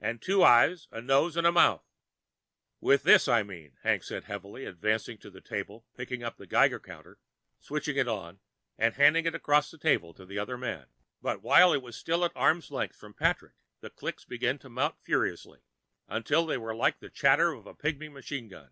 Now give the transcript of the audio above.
And two eyes and a nose and a mouth " "With this, I mean," Hank said heavily, advanced to the table, picked up the Geiger counter, switched it on, and handed it across the table to the other man. But while it was still an arm's length from Patrick, the clicks began to mount furiously, until they were like the chatter of a pigmy machine gun.